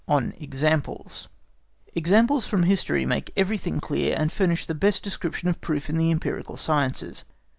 On Examples Examples from history make everything clear, and furnish the best description of proof in the empirical sciences.